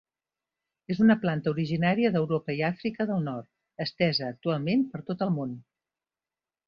És una planta originària d'Europa i Àfrica del Nord estesa actualment per tot el món.